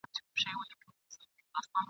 په دلیل او په منطق چي نه پوهېږي !.